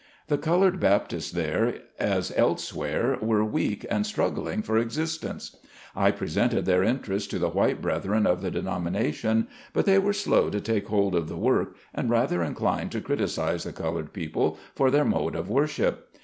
The colored Baptist here as elsewhere were weak, and struggling for existence. I presented their interest to the white brethren of the denomination, but they were slow to take hold of the work, and rather inclined to criticise the colored people for their mode of worship.